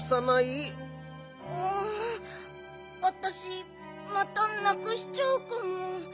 うんわたしまたなくしちゃうかも。